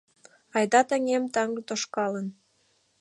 Айда, таҥем, таҥ тошкалын.